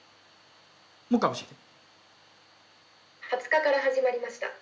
２０日から始まりました。